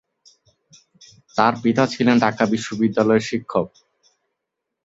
তার পিতা ছিলেন ঢাকা বিশ্ববিদ্যালয়ের শিক্ষক।